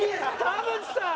田渕さん！